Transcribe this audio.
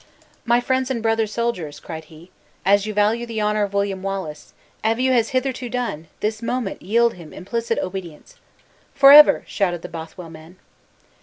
"My friends and brother soldiers," cried he, "as you value the honor of William Wallace, as you have hitherto done this moment yield him implicit obedience." "Forever!" shouted the Bothwell men.